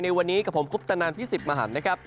ในวันนี้กับผมคุปตนันพี่สิทธิ์มหันนะครับ